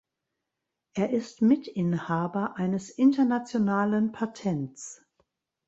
Er ist Mitinhaber eines internationalen Patents.